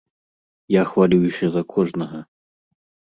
Я хвалююся за кожнага.